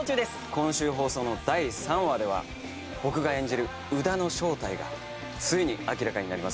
今週放送の第３話では僕が演じる宇田の正体がついに明らかになります。